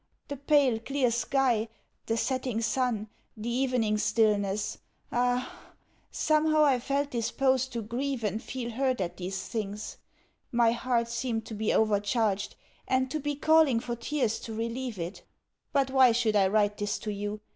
The pale, clear sky, the setting sun, the evening stillness ah, somehow I felt disposed to grieve and feel hurt at these things; my heart seemed to be over charged, and to be calling for tears to relieve it. But why should I write this to you?